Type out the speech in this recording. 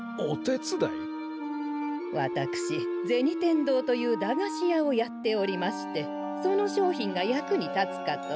私銭天堂という駄菓子屋をやっておりましてその商品が役に立つかと。